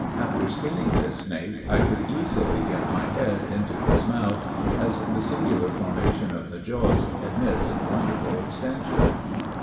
After skinning this snake, I could easily get my head into his mouth, as the singular formation of the jaws admits of wonderful extension.